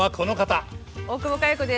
大久保佳代子です。